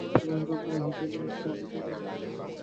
আগামীকাল তার হোটেলে একটা মিটিং হওয়ার কথা আছে।